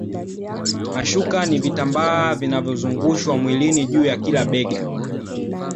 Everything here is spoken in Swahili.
Mashuka ni vitambaa vinavyozungushwa mwilini juu ya kila bega